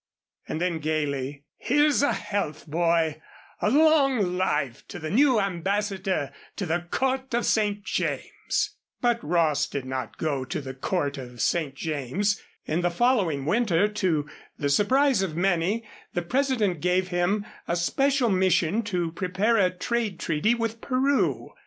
And then, gayly: "Here's a health, boy a long life to the new ambassador to the Court of St. James!" But Ross did not go to the Court of St. James. In the following winter, to the surprise of many, the President gave him a special mission to prepare a trade treaty with Peru.